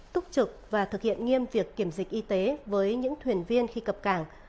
túc trực và thực hiện nghiêm việc kiểm dịch y tế với những thuyền viên khi cập cảng